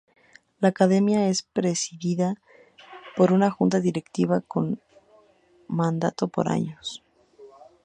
La Academia es presidida por una Junta Directiva con mandato por dos años.